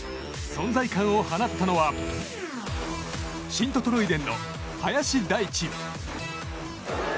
存在感を放ったのはシントトロイデンの林大地。